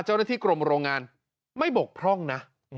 เจ้าหน้าที่กรมโรงงานไม่บกพร่องนะ